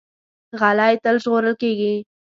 غلی، تل ژغورل کېږي.